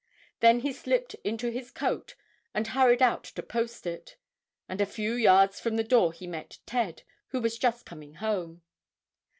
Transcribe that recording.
Then he slipped into his coat and hurried out to post it, and a few yards from the door he met Ted, who was just coming home.